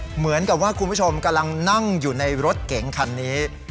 เหมือนกับว่าคุณผู้ชมกำลังนั่งอยู่ในรถเก๋งคันนี้